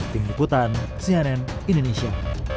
tim ikutan cnn indonesia